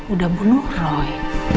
udah bunuh roy